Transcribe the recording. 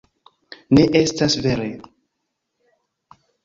Ne, estas vere